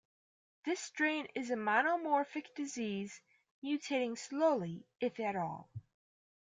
This strain is a monomorphic disease, mutating slowly if at all.